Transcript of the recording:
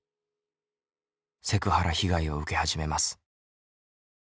セクハラ被害を受け始めます。